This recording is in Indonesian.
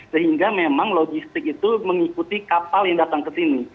sehingga memang logistik itu mengikuti kapal yang datang ke sini